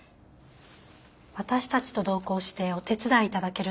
私たちと同行してお手伝い頂けると。